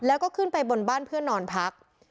แล้วก็ขึ้นไปบนบ้านเพื่อนอนพัก